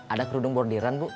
ada kerudung bordiran bu